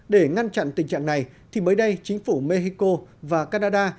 để ngăn chặn tình trạng này thì mới đây chính phủ mexico và canada